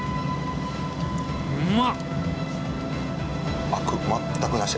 うまっ！